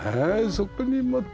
そこにまた。